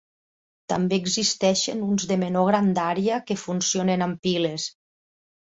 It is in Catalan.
També existeixen uns de menor grandària que funcionen amb piles.